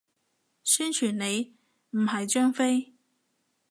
宣傳你，唔係張飛